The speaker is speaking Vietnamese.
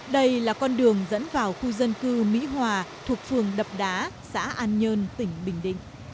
đây là con đường dẫn vào khu dân cư mỹ hòa thuộc phường đập đá xã an nhơn tỉnh bình định